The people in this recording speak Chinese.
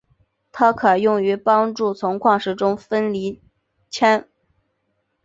它可用于帮助从矿石中分离钼。